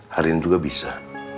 hari ini juga bisa